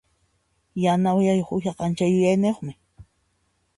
Yana uyayuq uhaqa ancha yuyayniyuqmi.